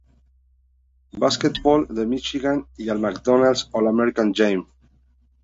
Basketball de Míchigan y al McDonald's All-American Game.